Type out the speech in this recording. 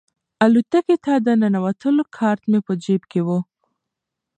الوتکې ته د ننوتلو کارت مې په جیب کې و.